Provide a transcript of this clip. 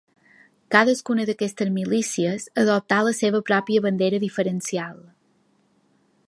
Cadascuna d'aquestes milícies adoptà la seva pròpia bandera diferencial.